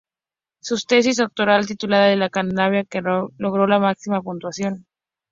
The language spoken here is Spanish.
Su tesis doctoral, titulada "La Cantabria prerromana", logró la máxima puntuación.